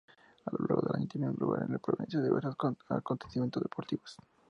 A lo largo del año tienen lugar en la provincia diversos acontecimientos deportivos.